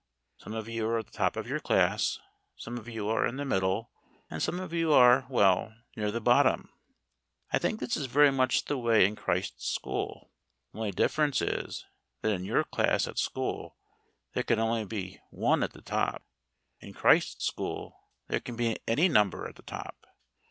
Some of you are at the top of your class, some of you are in the middle, and some of you are well near the bottom. I think this is very much the way in Christ's school, the only difference is that in your class at school there can only be one at the top. In Christ's school there can be any number at the top.